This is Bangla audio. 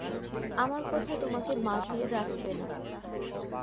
আমার কথা তোমাকে বাঁচিয়ে রাখবে না।